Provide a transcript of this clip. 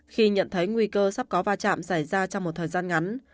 khi nhận thấy nguy cơ sắp có va chạm xảy ra trong một thời gian ngắn